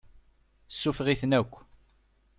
Suffeɣ-iten akk.